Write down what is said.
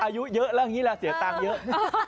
อายุเยอะกลางนี้ล่ะเสียพังเยอะ